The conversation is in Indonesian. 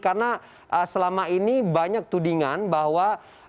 karena selama ini banyak tudingan bahwa